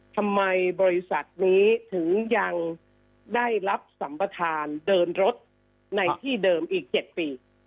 บริษัทนี้ถึงยังได้รับสัมประธานเดินรถในที่เดิมอีก๗ปี